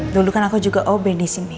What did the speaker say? dulu kan aku juga ob disini